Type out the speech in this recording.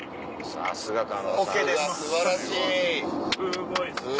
さすが素晴らしい。